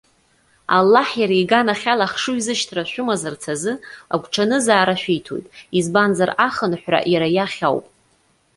Аллаҳ, иара иганахь ала ахшыҩзышьҭра шәымазарц азы, агәҽанызаара шәиҭоит. Избанзар ахынҳәра иара иахь ауп.